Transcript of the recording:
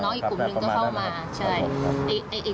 น้องอีกกลุ่มนึงเขาเข้ามาน้องอีกกลุ่มนึงเข้ามา